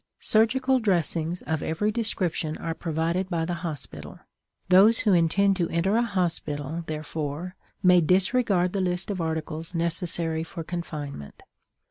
Surgical dressings of every description are provided by the hospital. Those who intend to enter a hospital, therefore, may disregard the list of articles necessary for confinement.